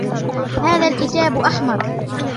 هذا الكتاب أحمر.